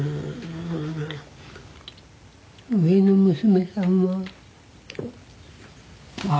上の娘さんは？